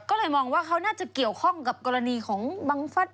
ก็เลยมองว่าเขาน่าจะเกี่ยวข้องกับกรณีของบังฟัฐ